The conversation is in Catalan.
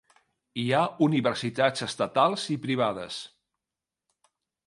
Hi ha universitats estatals i privades.